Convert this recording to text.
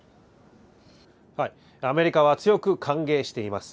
アメリカは強く歓迎しています。